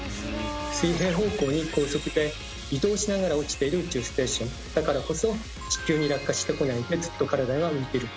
水平方向に高速で移動しながら落ちている宇宙ステーションだからこそ地球に落下してこないでずっと体が浮いてることができるわけです。